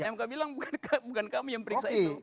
mk bilang bukan kami yang periksa itu